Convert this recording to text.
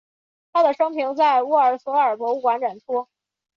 他的生平在沃尔索尔博物馆展出。